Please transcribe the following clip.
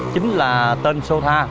chính là tên sô tha